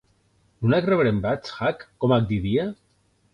Non ac rebrembatz, Huck?, com ac didia?